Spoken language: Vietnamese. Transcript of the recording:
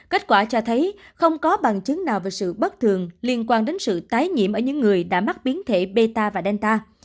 kết quả cho thấy không có bằng chứng nào về sự bất thường liên quan đến sự tái nhiễm ở những người đã mắc biến thể meta và delta